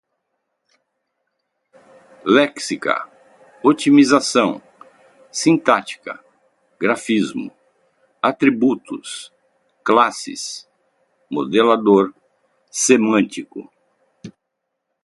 léxica, otimização, sintática, grafismo, atributos, classes, modelador, semântico